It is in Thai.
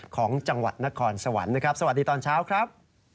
ของจังหวัดนครสวรรค์นะครับสวัสดีตอนเช้าครับ